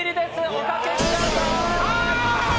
おかけください。